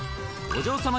お嬢様